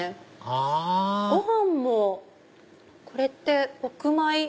あご飯もこれって黒米？